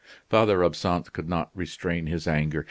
Father Absinthe could not restrain his anger.